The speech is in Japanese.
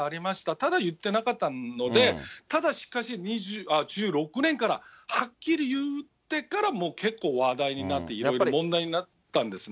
ただ言ってなかったので、ただしかし１６年からはっきり言ってから、もう話題になって、問題になったんですね。